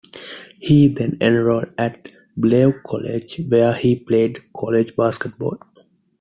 He then enrolled at Bellevue College, where he played college basketball.